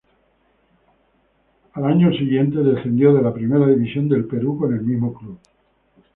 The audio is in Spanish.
Al año siguiente descendió de la Primera División del Perú con el mismo club.